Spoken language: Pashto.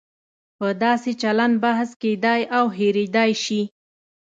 په داسې چلن بحث کېدای او هېریدای شي.